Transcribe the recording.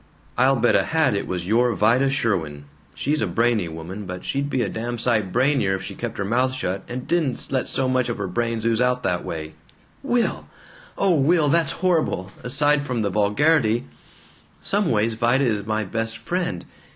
"I'll bet a hat it was your Vida Sherwin. She's a brainy woman, but she'd be a damn sight brainier if she kept her mouth shut and didn't let so much of her brains ooze out that way." "Will! O Will! That's horrible! Aside from the vulgarity Some ways, Vida is my best friend.